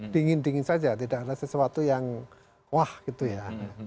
dingin dingin saja tidak ada sesuatu yang wah gitu ya